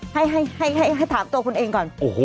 ให้ถามตัวคุณเองก่อน